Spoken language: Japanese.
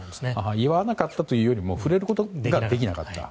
言わなかったというより触れることができなかった。